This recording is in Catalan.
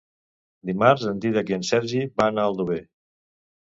Dimarts en Dídac i en Sergi van a Aldover.